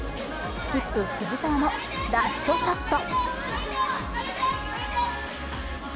スキップ・藤澤のラストショット。